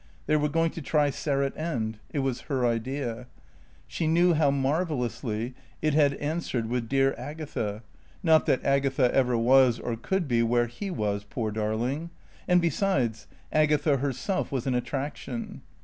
They were going to try Sarratt End. It was her idea. She knew how marvellously it had answered with dear Agatha (not that Agatha ever was, or could be, where he was, poor darling). And besides, Agatha herself was an attraction.